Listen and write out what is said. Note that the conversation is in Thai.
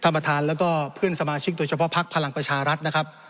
ประธานแล้วก็เพื่อนสมาชิกโดยเฉพาะพักพลังประชารัฐนะครับ